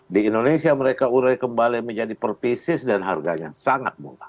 di indonesia mereka urai kembali menjadi perpisis dan harganya sangat murah